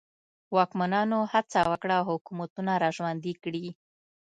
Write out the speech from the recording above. واکمنانو هڅه وکړه حکومتونه را ژوندي کړي.